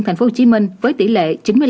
thành phố hồ chí minh với tỷ lệ chín mươi năm